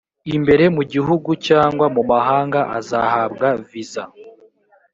imbere mu gihugu cyangwa mu mahanga ahabwa viza